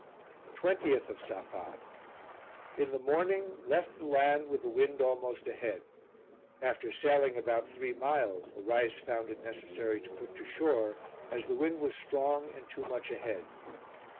20th of Safa. In the morning, left the laud with the wind almost ahead. After sailing about three miles, the rais found it necessary to put to shore, as the wind was strong and too much ahead.